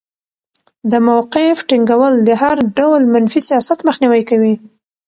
د موقف ټینګول د هر ډول منفي سیاست مخنیوی کوي.